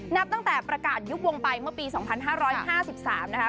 นับตั้งแต่ประกาศยุบวงไปเมื่อปี๒๕๕๓นะคะ